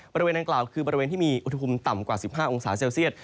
บริเวณดังกล่าวคือบริเวณที่มีอุณหภูมิต่ำกว่า๑๕องศาเซลเซียต